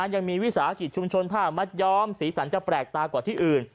วิสาหกิจชุมชนผ้ามัดย้อมสีสันจะแปลกตากว่าที่อื่น